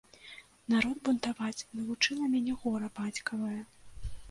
Народ бунтаваць навучыла мяне гора бацькавае.